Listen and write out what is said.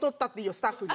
スタッフに。